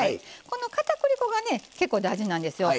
このかたくり粉がね結構大事なんですよ。